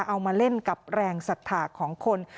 เอามาเล่นกับแรงศรัทธาของคน